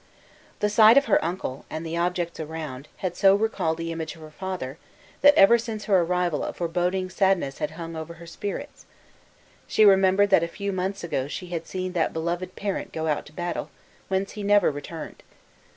The sight of her uncle, and the objects around, had so recalled the image of her father, that ever since her arrival a foreboding sadness had hung over her spirits. She remembered that a few months ago she had seen that beloved parent go out to battle, whence he never returned.